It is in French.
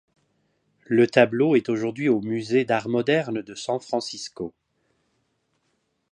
Le tableau est aujourd'hui au musée d'art moderne de San Francisco.